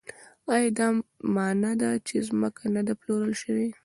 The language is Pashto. ایا دا مانا ده چې ځمکه نه ده پلورل شوې؟